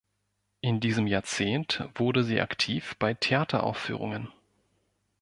In diesem Jahrzehnt wurde sie aktiv bei Theateraufführungen.